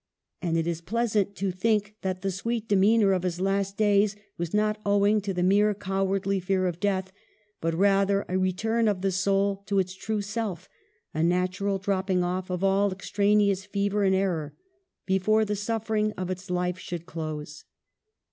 And it is pleasant to think that the sweet demeanor of his last days was not owing to the mere cowardly fear of death ; but rather a return of the soul to its true self, a nat ural dropping off of all extraneous fever and error, before the suffering of its life should close.